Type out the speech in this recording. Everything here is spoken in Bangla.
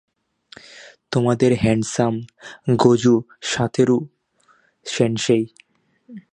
তোমাদের হ্যান্ডসাম, গোজো সাতোরু সেনসেই!